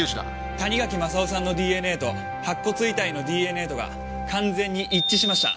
谷垣正雄さんのＤＮＡと白骨遺体のＤＮＡとが完全に一致しました。